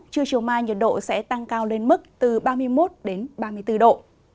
trưa chiều mai nhiệt độ sẽ tăng cao lên mức từ ba mươi một ba mươi bốn độ